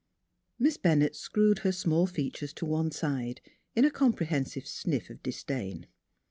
Miss Bennett screwed her small features to one side in a comprehensive sniff of disdain.